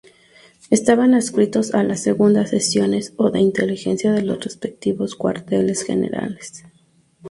Estaban adscritos a las Segundas Secciones, o de Inteligencia, de los respectivos Cuarteles Generales.